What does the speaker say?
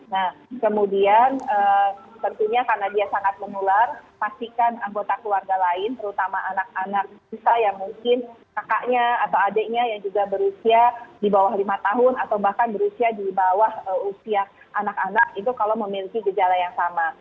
nah kemudian tentunya karena dia sangat menular pastikan anggota keluarga lain terutama anak anak kita yang mungkin kakaknya atau adiknya yang juga berusia di bawah lima tahun atau bahkan berusia di bawah usia anak anak itu kalau memiliki gejala yang sama